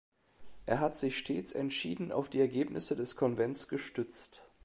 Er hat sich stets entschieden auf die Ergebnisse des Konvents gestützt.